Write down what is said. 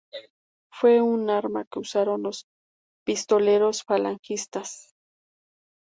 Fue un arma que usaron los pistoleros falangistas.